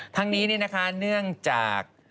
ทั้งนี้เนี่ยนะคะเนื่องจาก